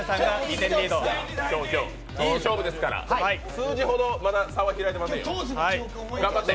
数字ほど、まだ差は開いてませんよ。頑張って。